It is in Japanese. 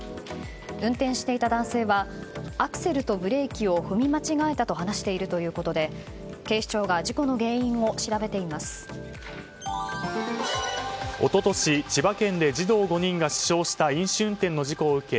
運転していた男性はアクセルとブレーキを踏み間違えたと話しているということで警視庁が事故の原因を一昨年、千葉県で児童５人が死傷した飲酒運転の事故を受け